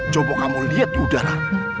coba kamu liat udara